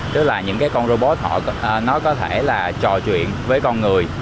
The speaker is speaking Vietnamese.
tức là những con robot nó có thể là trò chuyện với con người